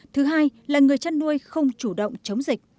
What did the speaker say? thứ hai là người chăn nuôi không chủ động chống dịch